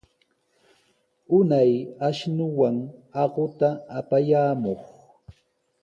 Unay ashnuwan aquta apayamuq.